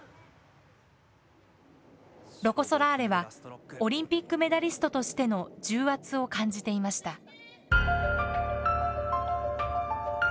ロコ・ソラーレはオリンピックメダリストとしての重圧を感じていました。